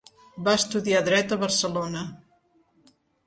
Va estudiar dret a Barcelona.